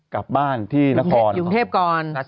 กลับบ้านที่นครจุงเทพก่อน